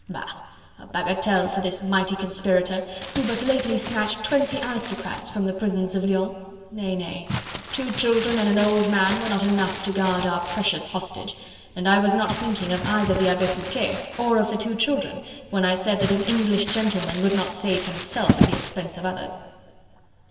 Bah! a bagatelle, for this mighty conspirator, who but lately snatched twenty aristocrats from the prisons of Lyons.... Nay! nay! two children and an old man were not enough to guard our precious hostage, and I was not thinking of either the Abbe Foucquet or of the two children, when I said that an English gentleman would not save himself at the expense of others."